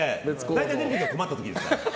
大体出てくるのは困った時ですから。